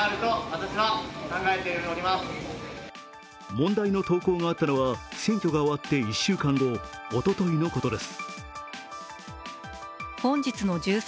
問題の投稿があったのは選挙が終わって１週間後、おとといのことです。